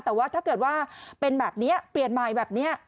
แต่ว่าถ้าเกิดว่าเป็นแบบนี้เปลี่ยนใหม่แบบนี้